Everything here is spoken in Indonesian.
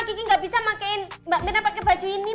kiki gak bisa pakein mbak mirna pake baju ini